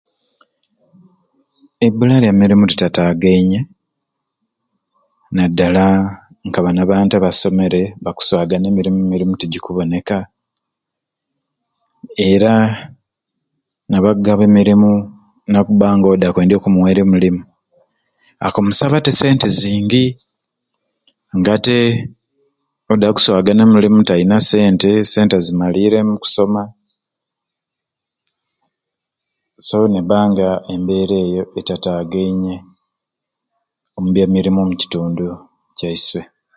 Ebbula lya mirimu litatagenye nadala nkabani abantu abasomere bakuswagana emirimu emirumu tegikuboneka era nabagaba emirumu nokuba nga odi akwendya okumuwerya omulumu akumusaba te esente zingi nga te odi akuswagana omulumu tayina te sente esente azimaliire mukusoma so neba nga embeera eyo etatagenye omu bya mirimu omu kitundu kyaiswe.